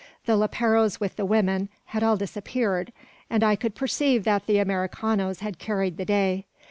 The leperos with the women, had all disappeared, and I could perceive that the Americanos had carried the day.